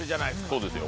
そうですよ。